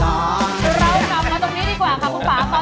เรากลับมาตรงนี้ดีกว่าค่ะคุณป่าค่ะ